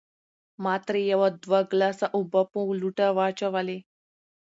ما ترې يو دوه ګلاسه اوبۀ پۀ لوټه واچولې